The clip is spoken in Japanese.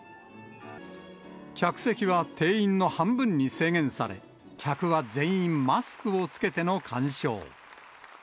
客席は定員の半分に制限され、客は全員マスクを着けての鑑賞。